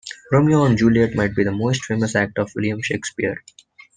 Romeo and Juliet might be the most famous act of William Shakespeare.